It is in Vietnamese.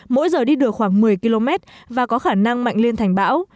mỗi giờ đi được khoảng một mươi km và có khả năng mạnh lên thành bão